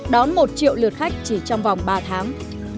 đón một triệu lượt khách chỉ trong vòng ba tháng